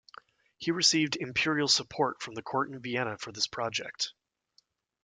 He received imperial support from the court in Vienna for this project.